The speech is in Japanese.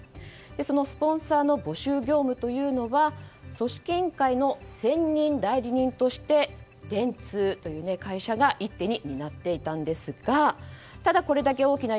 そのスポンサーの募集業務というのは組織委員会の専任代理人として電通という会社が一手に担っていたんですがただこれだけ大きな